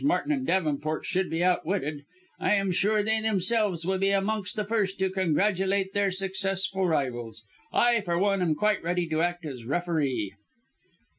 Martin and Davenport should be outwitted, I am sure they themselves will be amongst the first to congratulate their successful rivals. I, for one, am quite ready to act as referee."